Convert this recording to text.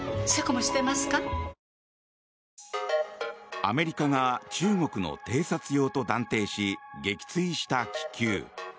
アメリカが中国の偵察用と断定し撃墜した気球。